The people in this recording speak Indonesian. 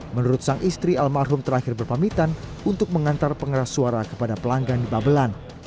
menurut sang istri almarhum terakhir berpamitan untuk mengantar pengeras suara kepada pelanggan di babelan